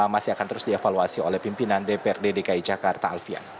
masih akan terus dievaluasi oleh pimpinan dprd dki jakarta alfian